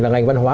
là ngành văn hóa